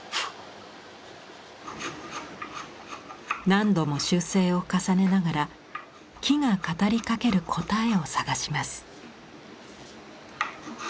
何度も修正を重ねながら木が語りかける答えを探します。